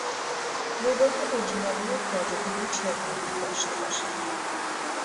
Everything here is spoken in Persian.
نگاه اجمالی به فاجعه چرنوبیل داشته باشیم